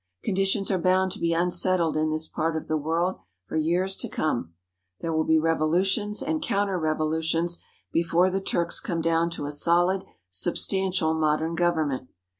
Conditions are bound to be unsettled in this part of the world for years to come. There will be revo lutions and counter revolutions before the Turks come down to a solid, substantial, modern government.